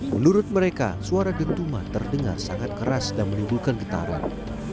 menurut mereka suara dentuman terdengar sangat keras dan menimbulkan getaran